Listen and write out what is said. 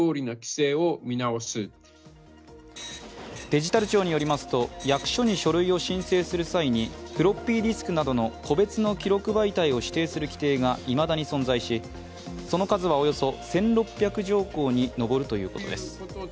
デジタル庁によりますと役所に書類を申請する際にフロッピーディスクなどの個別の記録媒体を指定する規定がいまだに存在し、その数はおよそ１６００条項にのぼるということです。